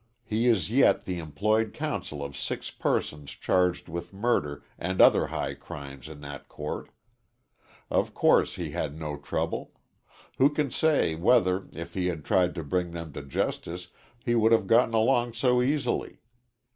He is yet the employed counsel of six persons charged with murder and other high crimes in that court. Of course, he had no trouble. Who can say, whether, if he had tried to bring them to justice, he would have gotten along so easily.